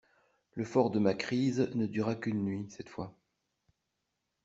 Le fort de ma crise ne dura qu'une nuit, cette fois.